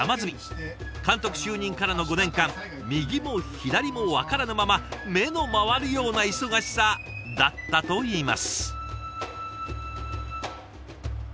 監督就任からの５年間右も左も分からぬまま目の回るような忙しさだったといいます。